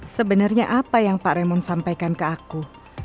sebenarnya apa yang pak remon sampaikan ke aku